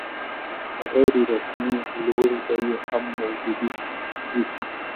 غیر رسمي لوړې بیې هم موجودې دي.